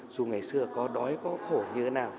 dù ngày xưa có đói có khổ như thế nào